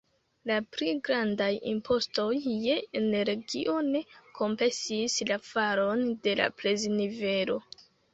La pli grandaj impostoj je energio ne kompensis la falon de la preznivelo.